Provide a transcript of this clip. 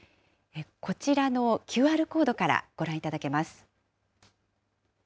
こちらのＱＲコードからご覧いただけます。